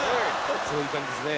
そういう感じですね。